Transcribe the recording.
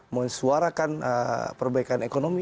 menyuarakan perbaikan ekonomi